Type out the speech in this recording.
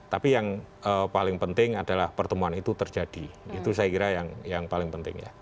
tapi yang paling penting adalah pertemuan itu terjadi itu saya kira yang paling penting ya